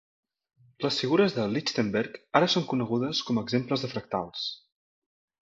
Les figures de Lichtenberg ara són conegudes com exemples de fractals.